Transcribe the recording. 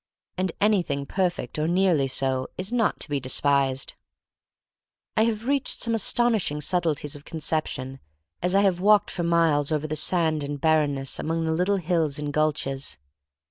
And anything perfect, or nearly so, is not to be despised. I have reached some astonishing subtleties of conception as I have walked for miles over the sand and barrenness among the little hills and gulches.